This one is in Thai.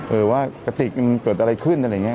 เออว่ากระติกมันเกิดอะไรขึ้นอะไรอย่างนี้